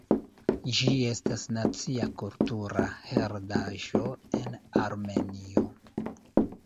Ĝi estas nacia kultura heredaĵo en Armenio.